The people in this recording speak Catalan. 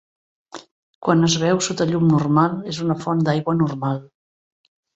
Quan es veu sota llum normal, és una font d'aigua normal.